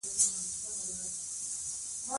زرکه وړې وړې خبرې کوي